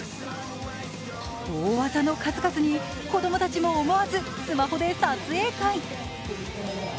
大技の数々に子供たちも思わずスマホで撮影会。